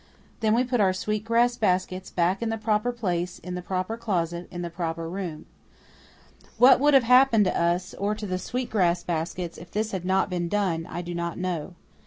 Then we put our sweet grass baskets back in the proper place in the proper closet in the proper room. What would have happened to us, or to the sweet grass baskets, if this had not been done I do not know.